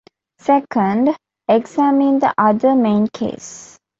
Second, examine the other main case.